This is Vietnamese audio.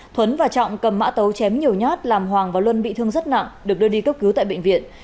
thuấn và trọng cầm mã tấu chém nhiều nhát làm hoàng và luân bị thương rất nặng được đưa đi cấp cứu tại bệnh viện